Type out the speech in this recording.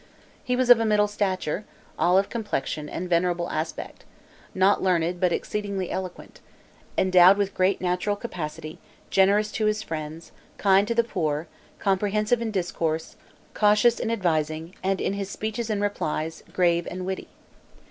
He was of middle stature, olive complexion, and venerable aspect; not learned but exceedingly eloquent, endowed with great natural capacity, generous to his friends, kind to the poor, comprehensive in discourse, cautious in advising, and in his speeches and replies, grave and witty.